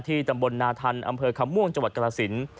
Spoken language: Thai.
ที่ตำบลนาธันต์อำเภอข้ำม่วงเจ้าหวัดกระซิน